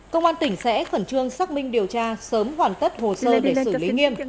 công an tỉnh sẽ khẩn trương xác minh điều tra sớm hoàn tất hồ sơ để xử lý nghiêm